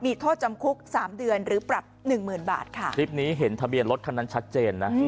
มีโทษจำคุกสามเดือนหรือปรับหนึ่งหมื่นบาทค่ะคลิปนี้เห็นทะเบียนรถคันนั้นชัดเจนนะ